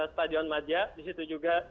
stadion madja disitu juga